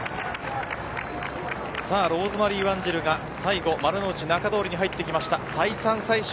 ローズマリー・ワンジルが丸の内仲通りに入ってきました。